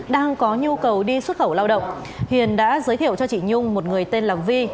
đang có nhu cầu đi xuất khẩu lao động hiền đã giới thiệu cho chị nhung một người tên làm vi